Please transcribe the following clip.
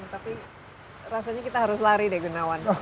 tapi rasanya kita harus lari deh gunawan